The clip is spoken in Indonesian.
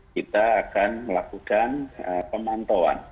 kita akan melakukan pemantauan